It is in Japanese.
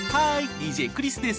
ＤＪクリスです。